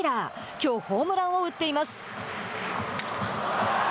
きょうホームランを打っています。